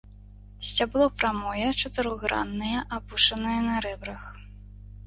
Сцябло прамое, чатырохграннае, апушанае на рэбрах.